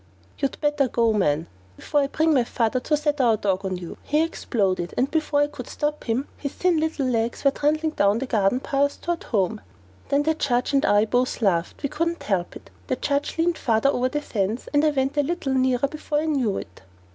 "You'd better go, man, before I bring my father to set our dog on you," he exploded, and, before I could stop him, his thin little legs went trundling down the garden path toward home. Then the judge and I both laughed. We couldn't help it. The judge leaned farther over the fence, and I went a little nearer before I knew it.